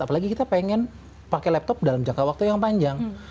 apalagi kita pengen pakai laptop dalam jangka waktu yang panjang